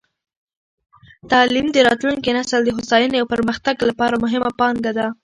تعلیم د راتلونکې نسل د هوساینې او پرمختګ لپاره مهمه پانګه ده.